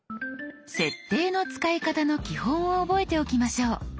「設定」の使い方の基本を覚えておきましょう。